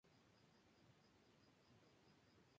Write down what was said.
Vive en Montreuil.